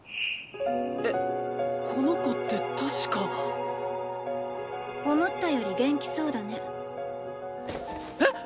えっこの子って確か思ったより元気そうだね。